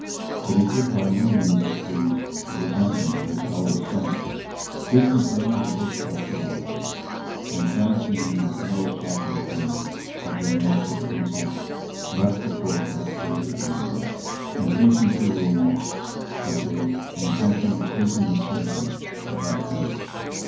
But he could by no means appease the resentment of his eldest son who, complaining of his partiality, and fancying that no proper atonement had been made him for the insult, left the court that very evening, and hastened to Rouen, with an intention of seizing the citadel of that place.